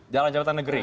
dalam jabatan negeri